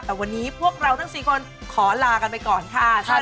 แต่วันนี้พวกเราทั้ง๔คนขอลากันไปก่อนค่ะ